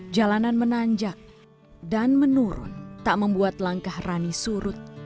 jalanan menanjak dan menurun tak membuat langkah rani surut